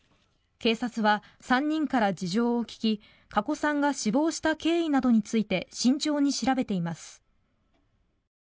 警察は３人から事情を聴き加古さんが死亡した経緯などについて慎重に調べています。